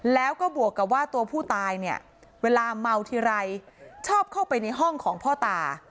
แล้วก็บวกกับว่าตัวผู้ตายเนี่ยเวลาเมาทีไรชอบเข้าไปในห้องของพ่อตา